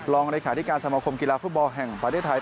รองเลขาธิการสมคมกีฬาฟุตบอลแห่งประเทศไทย